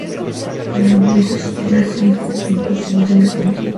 Con la misma hizo sus primeras incursiones en el canto.